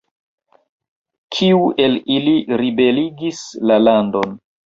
Kiu el ili ribeligis la landon?